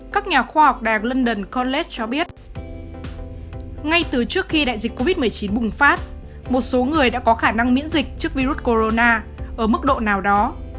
các nhà khoa học đảng london conlet cho biết ngay từ trước khi đại dịch covid một mươi chín bùng phát một số người đã có khả năng miễn dịch trước virus corona ở mức độ nào đó